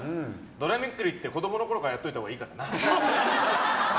ドラめくりって子供のころからやっといたほうがいいからな。